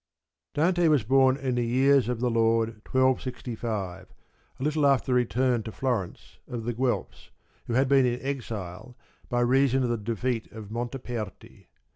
Dante was born in the years of the Lord 1265, a little after the return to Florence of the Guelfs, who had been in exile by reason of the defeat of Montaperti.